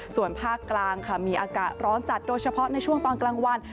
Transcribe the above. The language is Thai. ส่วนภาคกลางค่ะมีอากาศร้อนจัดโดยเฉพาะในช่วงตอนกลางวัน